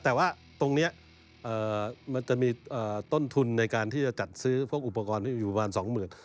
แต่ว่าตรงนี้มันจะมีต้นทุนในการที่จะจัดซื้อพวกอุปกรณ์ที่อยู่ประมาณสองหมื่น